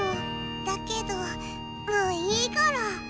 だけどもういいゴロ。